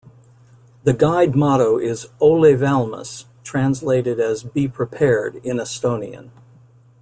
The Guide Motto is "Ole Valmis", translated as "Be Prepared" in Estonian.